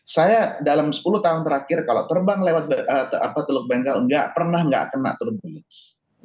saya dalam sepuluh tahun terakhir kalau terbang lewat teluk bengkel nggak pernah nggak kena turnage